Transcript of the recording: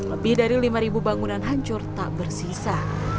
lebih dari lima bangunan hancur tak bersisa